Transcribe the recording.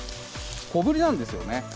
小ぶりなんですよね。